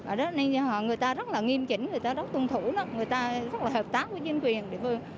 ở đó nên người ta rất là nghiêm trình người ta rất tuân thủ người ta rất là hợp tác với nhân viên địa phương